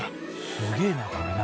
すげえなこれな。